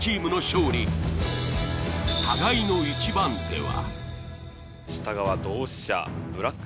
互いの一番手は。